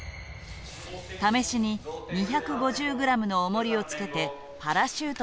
試しに２５０グラムのおもりをつけてパラシュートで落としてみる。